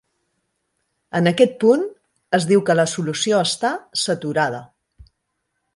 En aquest punt, es diu que la solució està saturada.